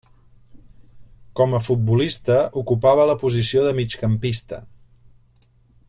Com a futbolista, ocupava la posició de migcampista.